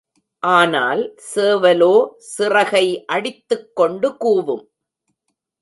ஆனால் சேவலோ சிறகை அடித்துக் கொண்டு கூவும்.